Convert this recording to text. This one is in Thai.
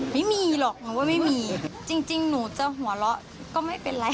ไม่มีหรอกหนูว่าไม่มีจริงหนูจะหัวเราะก็ไม่เป็นไร